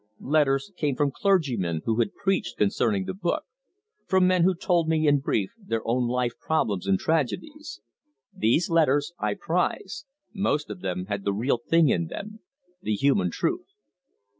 Letters came from clergymen who had preached concerning the book; from men who told me in brief their own life problems and tragedies. These letters I prize; most of them had the real thing in them, the human truth.